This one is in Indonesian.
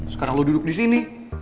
sekarang lo duduk disini